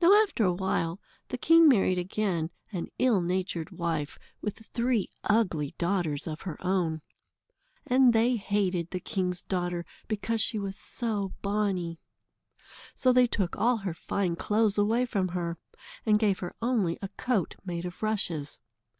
Now, after a while, the king married again an ill natured wife, with three ugly daughters of her own. And they hated the king's daughter because she was so bonny. So they took all her fine clothes away from her, and gave her only a coat made of rushes.